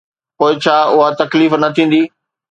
پوءِ ڇا اها تڪليف نه ٿيندي؟